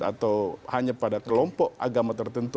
atau hanya pada kelompok agama tertentu